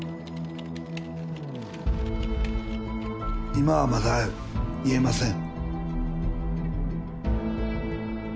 今はまだ言えません。